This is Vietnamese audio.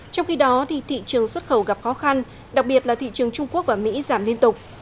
trong khi đó thị trường xuất khẩu gặp khó khăn đặc biệt là thị trường trung quốc và mỹ giảm liên tục